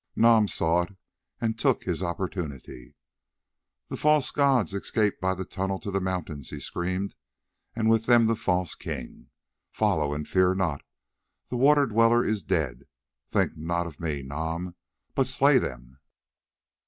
Nam saw it and took his opportunity. "The false gods escape by the tunnel to the mountains," he screamed, "and with them the false king. Follow and fear not, the Water Dweller is dead. Think not of me, Nam, but slay them."